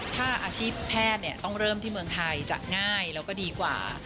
ถ้าอาชีพแพทย์ต้องเริ่มที่เมืองไทยจะง่ายแล้วก็ดีกว่า